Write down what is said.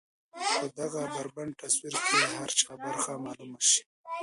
په دغه بربنډ تصوير کې د هر چا برخه معلومه شي.